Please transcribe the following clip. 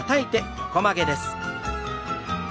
横曲げです。